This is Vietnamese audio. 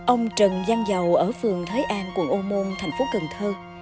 ông trần giang dầu ở phường thới an quận ô môn thành phố cần thơ